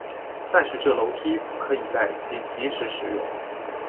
但是这楼梯不可以在紧急时使用。